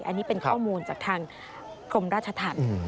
อันนี้เป็นข้อมูลจากทางกรมราชธรรม